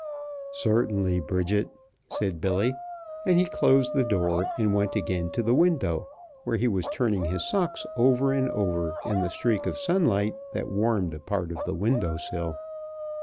"Certainly, Bridget," said Billy, and he closed the door and went again to the window, where he was turning his socks over and over in the streak of sunlight that warmed a part of the window sill.